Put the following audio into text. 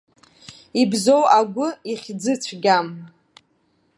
Ибзоу агәы, ихьӡы цәгьам.